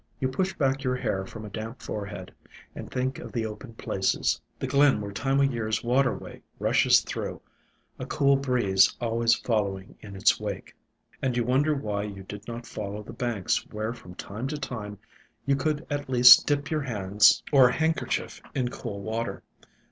You push back your hair from a damp forehead and think of the open places, the glen where Time o' Year's waterway rushes through, a cool breeze always following in its wake, and you wonder why you did not follow the banks where from time to time you could at least dip your hands or handkerchief in cool water.